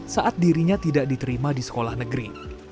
saat dirinya tidak diterima di sekolah negeri